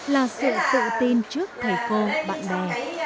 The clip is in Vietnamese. các em sẽ tự tin trước thầy cô bạn bè